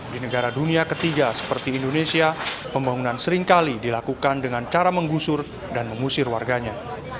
di negara dunia ketiga seperti indonesia pembangunan seringkali dilakukan dengan cara menggusur dan mengusir warganya